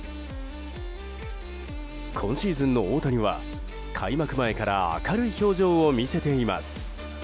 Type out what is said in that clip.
今シーズンの大谷は、開幕前から明るい表情を見せています。